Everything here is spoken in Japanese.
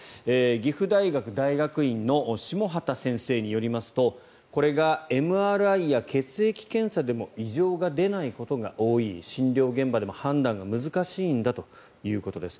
岐阜大学大学院の下畑先生によりますとこれがＭＲＩや血液検査でも異常が出ないことが多い診療現場でも判断が難しいんだということです。